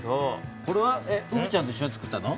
これはうぶちゃんと一しょにつくったの？